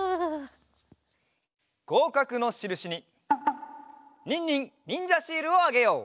ごうかくのしるしにニンニンにんじゃシールをあげよう。